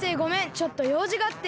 ちょっとようじがあって。